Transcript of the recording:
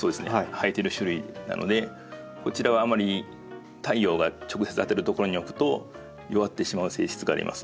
生えてる種類なのでこちらはあんまり太陽が直接当たる所に置くと弱ってしまう性質があります。